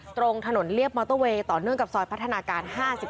ตรงถนนเรียบมอเตอร์เวย์ต่อเนื่องกับซอยพัฒนาการ๕๔